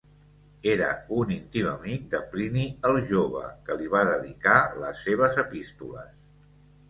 Era un íntim amic de Plini el jove, que li va dedicar les seves epístoles.